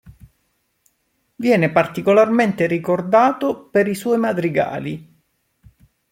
Viene particolarmente ricordato per i suoi madrigali.